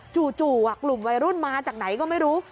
จู่กลุ่มวัยรุ่นมาจากไหนก็ไม่รู้